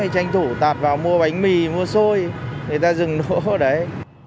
hay tranh thủ tạp vào mua bánh mì mua xôi người ta dừng đỗ đấy